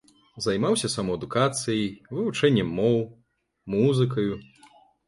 Займаўся самаадукацыяй, вывучэннем моў, музыкаю.